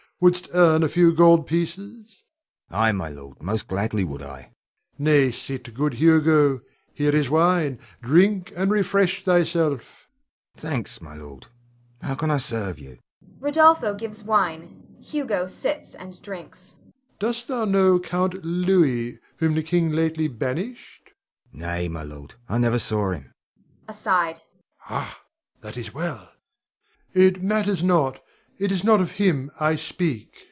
Wouldst earn a few gold pieces? Hugo. Ay, my lord, most gladly would I. Rod. Nay, sit, good Hugo. Here is wine; drink, and refresh thyself. Hugo. Thanks, my lord. How can I serve you? [Rodolpho gives wine, Hugo sits and drinks.] Rod. Dost thou know Count Louis, whom the king lately banished? Hugo. Nay, my lord; I never saw him. Rod. [aside]. Ha! that is well. It matters not; 'tis not of him I speak.